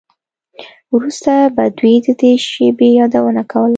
وروسته به دوی د دې شیبې یادونه کوله